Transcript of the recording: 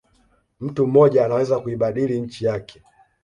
Mtu mmoja anaweza kuibadili nchi yake